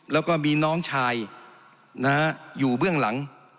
แล้วก็มีน้องชายอยู่เบื้องหลัง